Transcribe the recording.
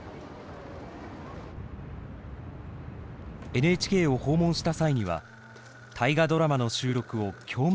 ＮＨＫを訪問した際には「大河ドラマ」の収録を興味